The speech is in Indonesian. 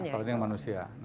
kalau ini manusianya